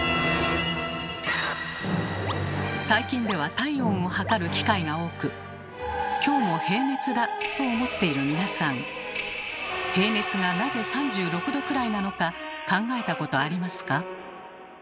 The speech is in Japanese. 最近では体温を測る機会が多く「今日も平熱だ」と思っている皆さん平熱がなぜ３６℃くらいなのか考えたことありますか？